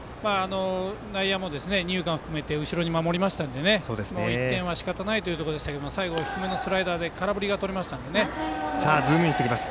内野も二遊間を含めて後ろに守りましたので１点はしかたないというところでしたけど最後低めのスライダーで空振りがとれましたので。